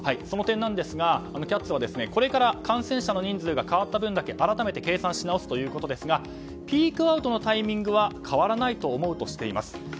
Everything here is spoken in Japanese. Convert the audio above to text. その点なんですが、ＣＡＴｓはこれから感染者の人数が変わった分だけ改めて計算し直すということですがピークアウトのタイミングは変わらないと思うとしています。